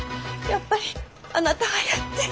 やっぱりあなたがやって。